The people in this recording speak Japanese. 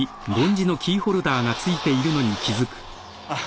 あっ。